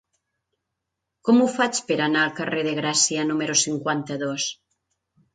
Com ho faig per anar al carrer de Gràcia número cinquanta-dos?